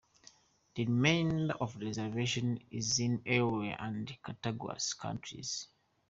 The remainder of the reservation is in Erie and Cattaraugus counties.